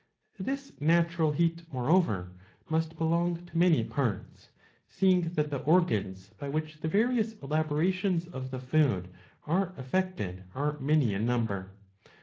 This natural heat moreover must belong to many parts,* seeing that the organs by which the various elaborations of the food are effected are many in number.